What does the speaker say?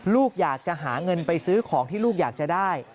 ลูกอยากจะหาเงินไปซื้อของที่ลูกอยากจะได้